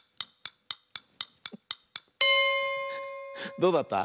どうだった？